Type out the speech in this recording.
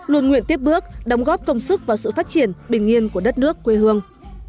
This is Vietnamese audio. luôn nguyện tiếp bước đóng góp công sức vào sự phát triển bình yên của đất nước quê hương